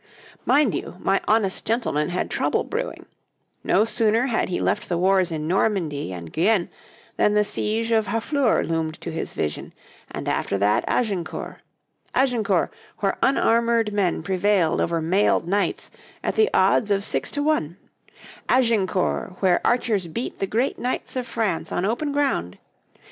Mind you, my honest gentleman had trouble brewing: no sooner had he left the wars in Normandy and Guienne than the siege of Harfleur loomed to his vision, and after that Agincourt Agincourt, where unarmoured men prevailed over mailed knights at the odds of six to one; Agincourt, where archers beat the great knights of France on open ground!